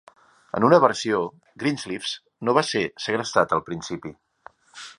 En una versió, Greensleeves no va ser segrestat al principi.